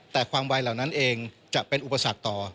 แต่ความไวเหล่านั้นเองจะเป็นอุปสรรคต่อ